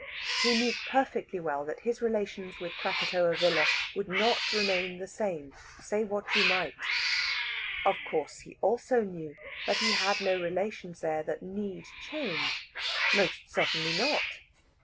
He knew perfectly well that his relations with Krakatoa Villa would not remain the same, say what you might! Of course, he also knew that he had no relations there that need change most certainly not!